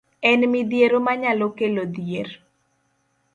En midhiero manyalo kelo dhier.